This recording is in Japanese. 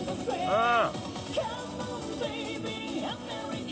うん。